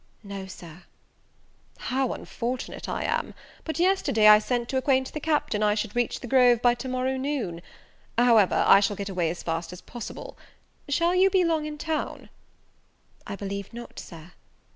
"No, Sir." "How unfortunate I am! but yesterday I sent to acquaint the Captain I should reach the Grove by to morrow noon! However, I shall get away as fast as possible. Shall you be long in town?" "I believe not, Sir."